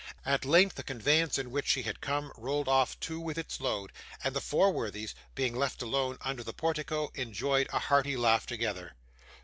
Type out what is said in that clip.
At length, the conveyance in which she had come rolled off too with its load, and the four worthies, being left alone under the portico, enjoyed a hearty laugh together.